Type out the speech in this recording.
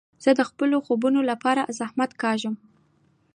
زه د خپلو خوبو له پاره زحمت کاږم.